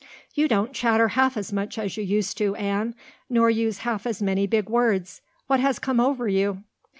"You don't chatter half as much as you used to, Anne, nor use half as many big words. What has come over you?"